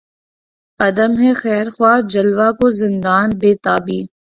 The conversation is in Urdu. عدم ہے خیر خواہ جلوہ کو زندان بیتابی